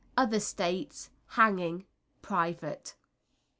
Other states, hanging, private.